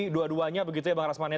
dua duanya begitu ya bang rasman ya